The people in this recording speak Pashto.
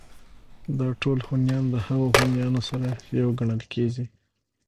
دا ټول هونيان د هغو هونيانو سره يو گڼل کېږي